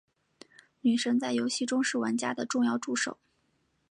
女神在游戏中是玩家的重要助手。